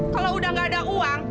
kalau udah gak ada uang